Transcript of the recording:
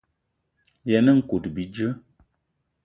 Yen nkout bíjé.